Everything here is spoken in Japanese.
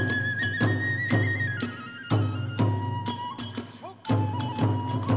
よいしょ！